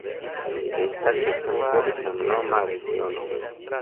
Ĝi estas ĉefurbo de samnoma regiono.